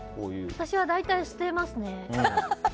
私は大体捨てますね。